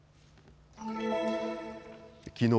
きのう